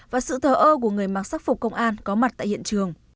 và sự thờ ơ của người mặc sắc phục công an có mặt tại hiện trường